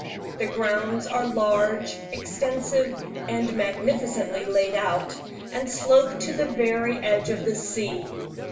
The grounds are large, extensive, and magnificently laid out, and slope to the very edge of the sea.